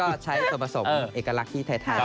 แล้วก็ใช้สวบประสบเอกลักษณ์ที่ไทย